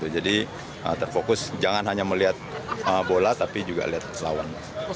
jadi terfokus jangan hanya melihat bola tapi juga melihat lawan